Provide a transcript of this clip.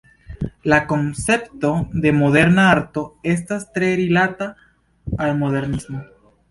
La koncepto de moderna arto estas tre rilata al modernismo.